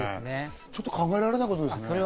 ちょっと考えられないことですね。